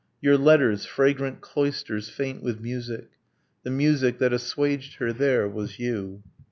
Your letters fragrant cloisters faint with music. The music that assuaged her there was you.